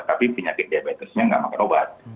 tapi penyakit diabetesnya nggak makan obat